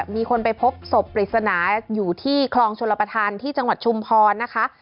มีคนไปพบศพปริศนาอยู่ที่คลองชลประธานที่จังหวัดชุมพรนะคะ